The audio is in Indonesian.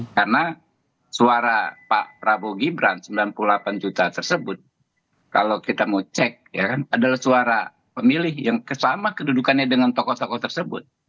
karena suara pak prabowo gibran sembilan puluh delapan juta tersebut kalau kita mau cek adalah suara pemilih yang sama kedudukannya dengan tokoh tokoh tersebut